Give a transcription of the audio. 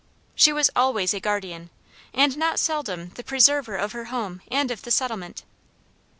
She was always a guardian, and not seldom the preserver of her home and of the settlement.